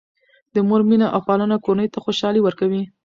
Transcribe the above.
د مور مینه او پالنه کورنۍ ته خوشحالي ورکوي.